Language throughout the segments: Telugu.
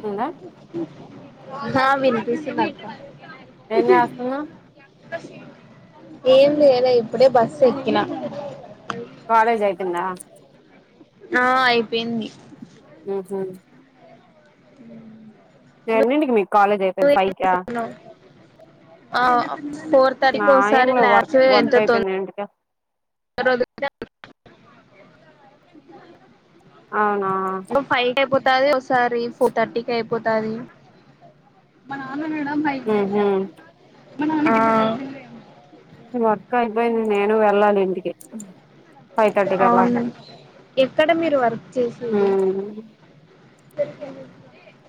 వస్తుందా హా వినిపిస్తుందక్క ఏం చేస్తున్నవ్ ఏం దేలే ఇప్పుడే బస్ ఎక్కిన కాలేజ్ అయిపెందా ఆ అయిపోయింది ఉహు ఎనింటికి మీ కాలేజ్ అయిపెంది ఫైకా ఆ ఫోర్ నా థర్టీకి ఏం ఒకసారి లే వర్క్ లాస్ ఏ ఎంత వర్క్ తొంద అయిపోయింది ఇంటికి అ రోదు అవునా ఇంక ఫై ఐపోతది సారీ ఫోర్ థర్టీకి ఐపోతది ఉహు ఆ వర్క్ అయిపోయింది నేను వెళ్ళాలి ఇంటికి ఫైవ్ థర్టీకి వెళ్ళాలి అవునా ఎక్కడ మీరు వర్క్ చేసేది ఉమ్ దొరికింది ఇట్ల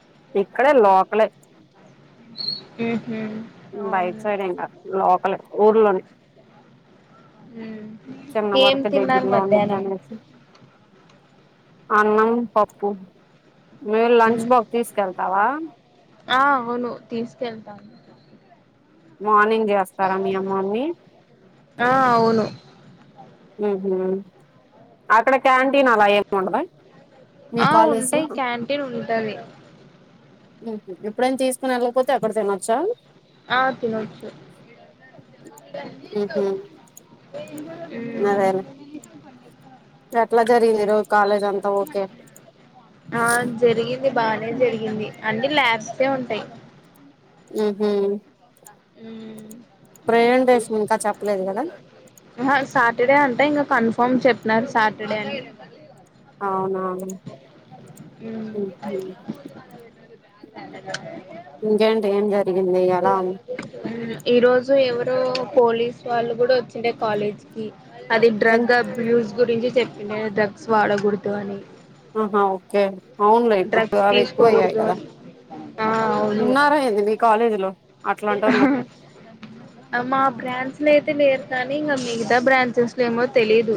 ఇక్కడే లోకలే ఊ బయట్ సైడ్ ఏం కాద్ లోకల్ ఏ ఊర్లోనే చిన్న ఏం వర్కు దగ్గర తిన్నారు లో వుండింది ర మధ్యాహ్నం అనేసి అన్నం పప్పు మీరు లంచ్ బాక్స్ తీసుకెళ్తావా ఆ అవును తీసుకెళ్తాను మార్నింగ్ చేస్తారా మీ మమ్మీ ఆ అవును ఉహు అక్కడ క్యాంటీన్ అలా ఏమి ఉండద ఆ ఉంటాయి క్యాంటీన్ ఉంటది ఉహు ఎప్పుడైనా తీసుకుని వెళ్ళకపోతే అక్కడి తనొచ్చా ఆ తినొచ్చు ఉహు ఊ అదేలే ఎట్లా జరిగింది రోజు కాలేజ్ అంతా ఓకే ఇది బానే జరిగింది అంటే ల్యాబ్స్ ఏ ఉంటయి ఉహు ఊ ప్రజెంటేషన్ ఇంకా చెప్పలేదు కదా అహ సాటర్డే అం అంటె ఇంక కన్ఫర్మ్ చెప్పినారు సాటర్డే అని అవునవును ఊ ఇంకేంటి ఏం లేద్ ఊ ఈ రోజు ఎవరు రో పోలీస్ వాళ్ళు కూడా వచ్చిండే కాలేజ్ కి అది ఎన్ డ్రగ్ అబ్యూస్ గురించి చెప్పిన డ్రగ్స్ వాడకూడదు అని ఆహా ఓకే అవునులే ఇప్పుడు డ్రగ్స్ అవి ఎక్కువ అయ్యాయి తీసుకోకూడదు కదా అని ఆ అవును ఉన్నారా ఏంది మీ కాలేజీలో మా బ్రాండ్స్ లేద్ లేరు కానీ ఇంకా మిగతా బ్రాన్సస్ లో ఏమో తెలీదు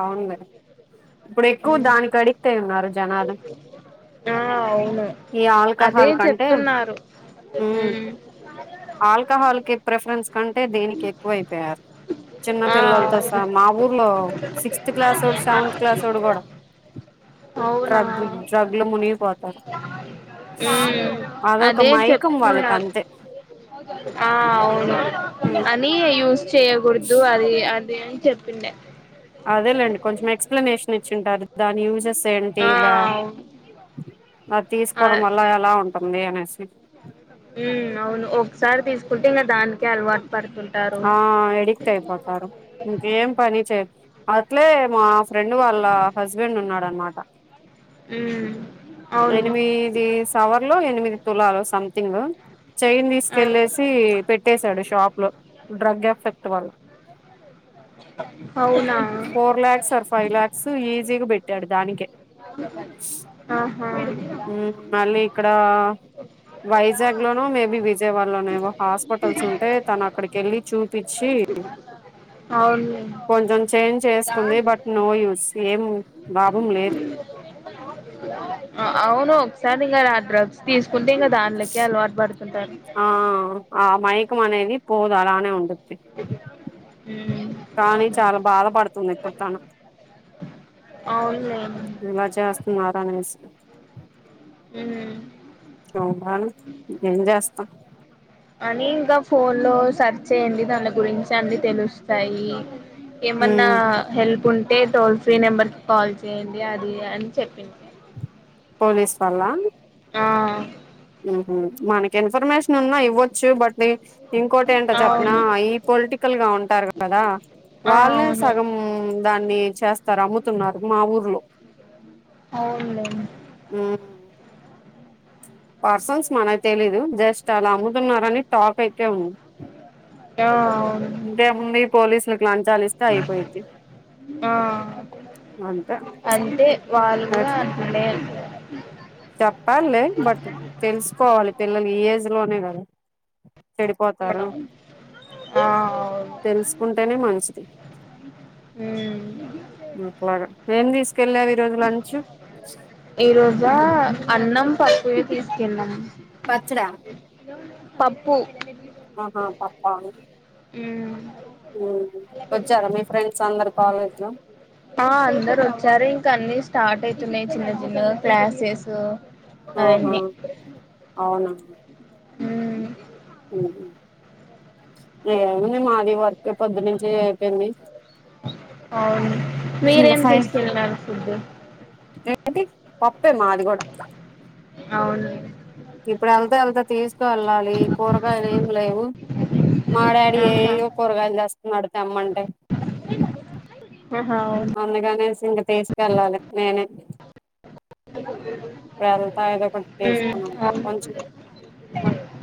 అవులే ఇప్పుడు ఎక్కువ మ్మ్. దానికి అడిక్ట్ అయి ఉన్నారు జనాలు ఆ అవును అదే చెప్తున్నారు ఊ ఉమ్ ఆల్కాహాల్ కి ప్రిఫరెన్ కంటే దీనికి ఎక్కువ అయిపోయారు చిన్న పిల్లలతో సహ మా ఊర్లో సిక్స్త్ క్లాసోడు ఇలా సెవెంత్ క్లాసోడు కూడా అవునా డ్రగ్ డ్రగ్లు మునిగిపోతారు ఉ అదొక అదే మైకం వాళ్ళకి చెప్తున్నారు అంతే ఆ అవును అని యూజ్ చేయకూడదు అది అది అని చెప్పిండే అదేలేండి కొంచెం ఎక్సప్లనేషన్ ఇచ్చింటారు దాని యూజెస్ ఎంటి ఆ ఇలా అవును అది ఆ తీసుకోవడం వల్ల ఎలా ఉంటుంది అనేసి ఉ అవును ఒకసారి తీసుకుంటే ఇంగ దానికే అలవాటు పడుతుంటారు ఆ ఎడిక్ట్ అయిపోతారు ఇంక ఏం పని చేయ అట్లే మా ఫ్రెండ్ వాళ్ళ హస్బెండ్ ఉన్నాడనమాట ఉ ఎనిమీది సవర్లు ఎనిమిది తులాలు సంథింగ్ చైన్ ఆ తీసుకెళ్ళసి పెట్టసాడు షాప్ లో డ్రగ్గేఫెక్ట్ వాళ్ అవునా four lakhs or five lakhs ఈజీగా పెట్టాడు దానికే ఆహా ఉ మళ్ళీ ఇక్కడ వైజాగ్ లోనో మేబీ విజయవాడ లోన ఏవో హాస్పిటల్స్ ఉంటే తన అక్కడికి వెళ్ళి చూపిచ్చి అవునులే కొంచెం చేంజ్ చేసుకుంది బట్ నో యూస్ ఏం లాభం లేదు అవును డ్రగ్స్ తీసుంటే ఇంకా దానిలోకే అలవాటు పడు ఆ ఆ మైకం అనేది పోదు అలానే ఉండు కానీ చాలా బాధపడుతుంది ఇప్పుడు తను ఉ ఇలా చేస్తున్నారనేసి ఉ హు శోభాను ఏం జేస్త అని ఇంకా ఫోన్ లో సెర్చ్ చేయ్యండి దాన్లే గురించి అన్ని తెలుస్తాయి ఏమన్నా ఉమ్ హెల్ప్ ఉంట్ టే టోల్ ఫ్రీ నెంబర్ కి కాల్ చేయ్యడి అది అని చెప్పింది వేస్వళ్ల ఆ ఉహు మనకి ఇన్ఫర్మేషన్ ఉన్నా ఇవ్వచ్చు బట్ వెక్స్ ఇంకోటి ఏంటో చెప్పన అవును ఈ పొలిటికల్ గా ఉంటారు కదా ఆ వాళ్ళే అవును సగం దాన్ని చేస్తారు అమ్ముతున్నారు మా ఊర్లో అవున్ లే ఉమ్ పర్సన్స్ మనకు తెలిదు జస్ట్ అలా అమ్ముతున్నారని టాక్ అయితే ఉంది ఆ అవును ఇంకేముంది పోలీసులకు లంచాలు ఇస్తే అయిపోయిద్ధి ఆ అంటే వాళ్ళు కూడా అంటుండే చెప్పాలి లె బట్ తెలుసుకోవాలి పిల్లలు ఈ ఏజ్ లోనే కదా చెడిపోతారు ఆ అవును తెలుసుకుంటేనే మంచిది ఉ అట్లాగా ఏం తీసుకెళ్ళావు ఈరోజు లంచ్ ఈ రోజా అన్నం పప్పువి తీసుకెళ్ళాం పచ్చడా పప్పు ఆహా తప్పాని ఉమ్ ఉమ్ వచ్చారా మీ ఫ్రెండ్స్ అందరు కాలేజ్ లో ఆ అందరు వచ్చారు ఇంకా అన్ని స్టార్ట్ అయితున్నాయి చిన్న చిన్నగా క్లాసెసు ఒహా అవునా! ఉమ్ ఊహు ఏముంది మాది వర్క్ పొద్దు నుంచి ఐపేంది అవును ఇంకా మీరేం తీసుకెళ్నారు ఫుడ్ అంటే పప్పే మాది కూడా అవునం ఇప్పుడు వెళ్తా ఎళ్తా తీస్ కూ వెళ్ళాలి కూరగాయలు ఏం లేవు మాడాడి ఆహా ఏయో కూరగాయలు తెస్ త్నాడు తెమ్మంటే ఆహా అవును అందుకనేస్ ఇంక తీసుకెళ్ళాలి నేనే హలో వెళ్తా ఏదో ఒకట్ చేసుకున్నాం అవును కొంచెం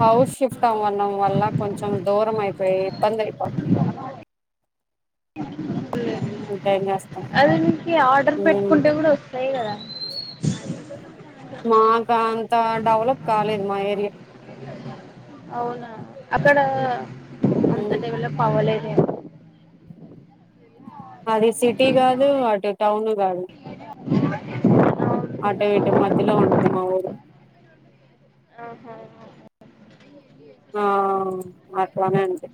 హౌష్ షిఫ్ట్ అవ్వడం వల్ల కొంచెం దూరం ఐపేయి ఇబ్బంది ఐపోతుంది ఉమ్ చేస్తాం అదే మీకి ఆర్డర్ ఉమ్ పెట్టుకుంటే కూడా వస్తాయి కదా మాకా అంత డెవలప్ కాలేదు మా ఏరియా అవునా అక్కడ అంత ఉమ్ డెవలప్ అవ్వలేదు మాది సిటీ కాదు అటు టౌను కాదు [inaudible] ఆటు ఇటు మధ్యలో ఉండుది మా ఊరు ఆహా ఆ అట్లానే అండి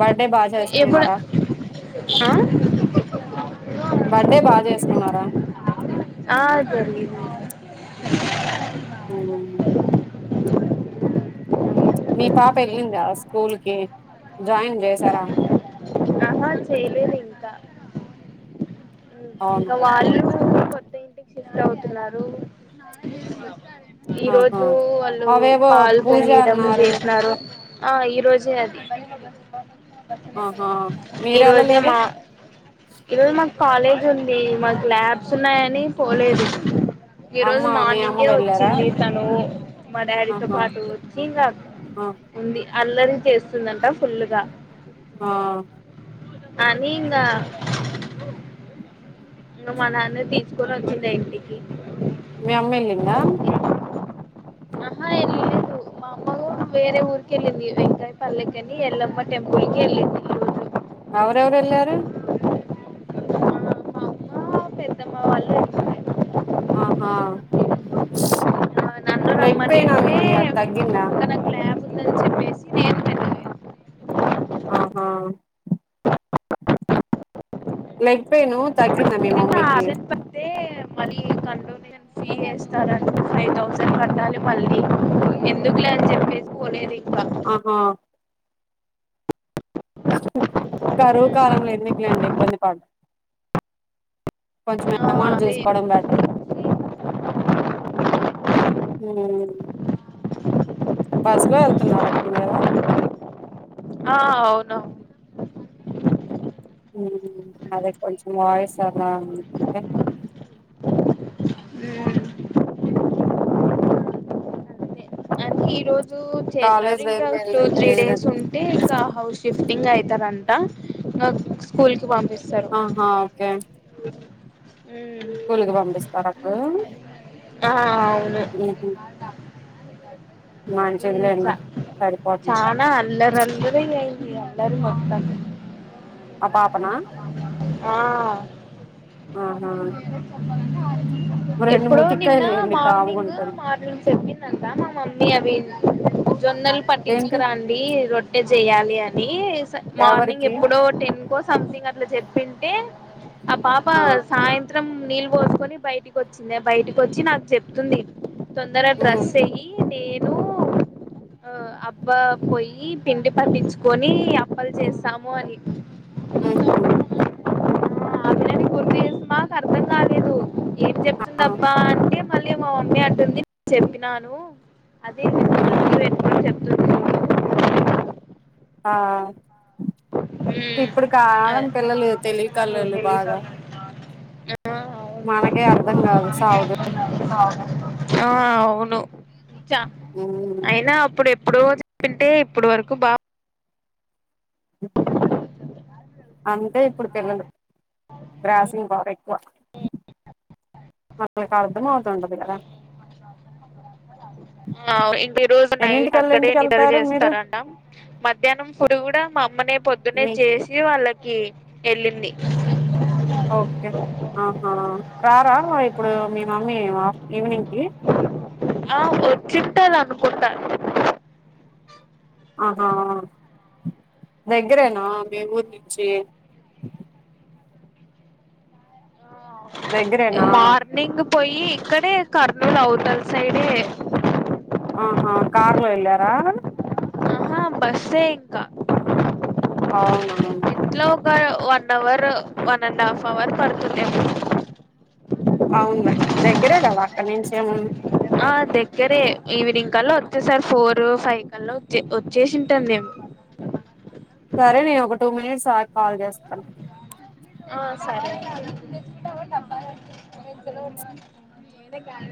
బట్ ఇప్పుడ్ ఆ బర్డే బా జేస్కున్నారా? ఆ జరిగింది ఉమ్ మీ పాప వెళ్ళిందా స్కూల్ కి జాయిన్ చేసారా? చెయ్యలేదు ఇంకా అవునా ఇంకా వాళ్ళు కొత్త ఇంటికి షిఫ్ట్ అవుతున్నారు ఈ ఆహా రోజు వాళ్ళు అవేవో పాలు పూజ పొంగీయడం అన్నారు చేస్నారు ఆ ఈ రోజే అది ఆహా మీరు ఈరోజే వెళ్ళలేదే మా ఈరోజు మాకు కాలేజ్ ఉంది మాకు ల్యాబ్స్ ఉన్నాయని పోలేదు ఈ అమ్మ రోజు మీ అమ్మ మార్నింగే వెళ్ళారా వచ్చింది తనూ మా డాడీతో ఆహా పాటు వచ్చి ఇంగా ఆ ఉంది అల్లరి చేస్తుందంట ఫుల్లుగా ఆ అని ఇంగా ఇంగ మా నాన్న తీసుకొని వచ్చేసా ఇంటికి మీ అమ్మ ఎల్లిందా? ఆహా ఎల్లేదు మా అమ వేరే ఊరికి వెళ్లింది వెంకాయ పల్లెకి అని ఎల్లమ్మ టెంపుల్ కి వెళ్ళింది వెళ్ళార రోజు మా పెద్దమ్మా వాళ్ళు నిల్చిపేండ్రు ఆహా ఆ నన్ను లెగ్ రమ్మని పైయిన్ అంటే అందిని అది తగ్గిందా ఇంకా నాకు ల్యాబ్ ఉందని చెప్పేసి నేను వెళ్ళలేదు ఆహా లెగ్ పైను తగ్గింద మీ ఇంకా మమ్మీకి ఆబ్సెంట్ పడితే స్త ఫైవ్ థౌసండ్ కట్టాలి మళ్ళీ ఎందుకులే అని చెప్పేసి పోనేది అహా కరువు కాలం ఉమ్ ఎందుక్ లే అండి ఇబ్బంది పడ కొంచం ఆ అమౌంట్ అదే తీసుకోవడం బెటర్ మ్ బస్సు లో వెళ్తున్నారు అక్కడి మీదా ఆ అవును అదే కొంచెం వాయిస్ అలా ఉంటే అది ఈ రోజు చేసినార్ కాలేజ్ లో ఏం ఇంకా టూ త్రీ జరిగింది డేస్ ఈరోజు ఉంటే ఇంకా హౌస్ షిఫ్టింగ్ అయితారంట ఇ స్కూల్కి పంపిస్తారు ఆహా స్కూల్కి పంపిస్తారు అప్పుడు ఆహా అవును వన్ చాన అలరల్రే అయి అల్లరి అంత ఆ పాపనా ఆహా ఆ రెండు ఎప్పుడో నిన్న ముటిక్కాయలు వేయండి కామ్గా మార్నింగ్ ఉంటది మార్నింగ్ చెప్పిందంత మా మమ్మీ అవి జొన్నలు ఏంటి పట్టించుకురాండి రొట్టె చెయ్యాలి అని మార్నింగ్ ఎవరికి ఎప్పుడో టెన్ కో సంథింగ్ అట్లా చెప్పింటే ఆ పాప సాయంత్రం చిం నీళ్ళు పోసుకొని బయటకి వచ్చింది బయటకి వచ్చి నాకు చెప్తుంది తొందర ఉమ్ డ్రెస్ వెయ్యి నేను ఆ అబ్బా పోయి పిండి పట్టించుకొని అప్పలు చేస్తాము అని ఉహు ఆ పిల్లని గుర్తి చేస మాకు అర్థం కాలేదు ఏం ఆ చెప్తుందబ్బా అంటే మళ్ళీ మా మమ్మీ అంటుంది చెప్పినాను అదే మ్ మీరు పెట్టుకొని చెప్తుంది. ఆ ఇప్పుడు ఆ కాలం పిల్లలు తెలివి కళ్ళలు బాగ అవును మనకే అర్థం కాదు సావదు ఆ అవును చ ఉమ్ అయినా అప్పుడె అప్పుడో చెప్పింటే ఇప్పుడు వరకు బా అంతె ఇప్పుడు పిల్లలు బ్రాసింగ్ పవర్ ఎక్కువ వాళ్లకు అర్థమవుతుంటుంది కదా ఆ ఇంక ఈ రోజు నైట్ ఎన్నింటికల్లా అక్కడే నిద్ర ఇంటికెళ్తారు మీరు చేస్తారంట మధ్యాహ్నం ఇప్పుడు కూడ మా అమ్మనే పొద్దునే మీ చేసి వాళ్ళకి వెళ్ళింది ఓకే ఆహా రారా ఇప్పుడు మీ మమ్మీ ఈవినింగ్ కి ఆ వచ్చిట్టాలు అనుకుంటా అహా దగ్గరేన మీ ఊరి నుంచి ఇగ దగ్గరేనా మార్నింగ్ పోయి ఇక్కడే కర్నూల్ అవ్తల్ సైడే ఆహా కార్లో ఎళ్ళారా? ఆ బస్సే ఎక్కా అవునా ఒక one hour one, and half hour పడుతుందేమో అవున దగ్గరేగ వ అక్కడ్ నుంచ్ ఆ దగ్గరే ఈవినింగ్ కల్ల వచ్చేసార్ ఫోర్ ఫైవ్ కల్ల వచ్చే వచ్చేసింటాం మేం సరే నేన్ ఒక టూ మినిట్స్ ఆగ్ కాల్ చేస్తాను. ఆ సరే